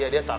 iya dia tak